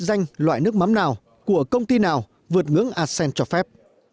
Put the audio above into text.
danh loại nước mắm nào của công ty nào vượt ngưỡng asean cho phép